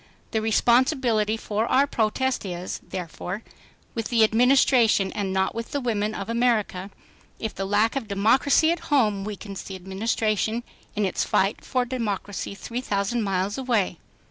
The responsibility for our protest is, therefore, with the Administration and not with the women of America, if the lack of democracy at home weakens the Administration in its fight for democracy three thousand miles away."